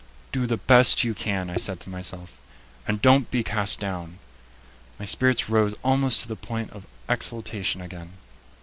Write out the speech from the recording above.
] "Do the best you can," I said to myself, "and don't be cast down." My spirits rose almost to the point of exultation again.